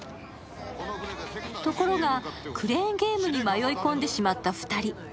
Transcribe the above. ところがクレーンゲームに迷い混んでしまった２人。